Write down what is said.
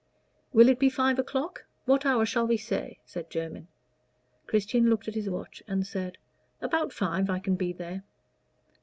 "Will it be five o'clock? what hour shall we say?" said Jermyn. Christian looked at his watch and said, "About five I can be there."